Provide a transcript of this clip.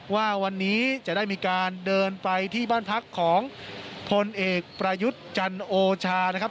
ว่าวันนี้จะได้มีการเดินไปที่บ้านพักของพลเอกประยุทธ์จันโอชานะครับ